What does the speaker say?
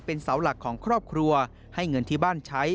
เป็นเสาหลักของครอบครัวให้เงินที่บ้านใช้